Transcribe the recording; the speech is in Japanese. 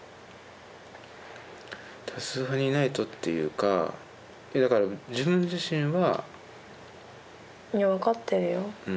多数派にいないとっていうかだから自分自身は。いや分かってるよ。